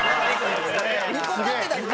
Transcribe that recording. ２個買ってたんです